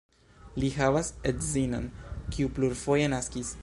Li havas edzinon, kiu plurfoje naskis.